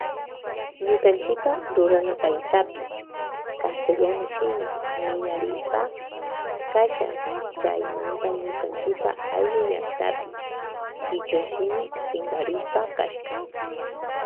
Ñukanchipa runakaysapi castellano shimi mirarishpa kasha chaymanta nukanchipa ayllu llaktapi kichwa shimi shinkarispa kashka.